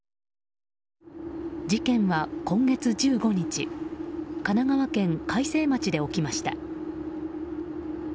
事件は今月１５日神奈川県開成町で起きました。